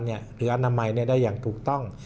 หรืออนามัยได้อย่างถูกต้อง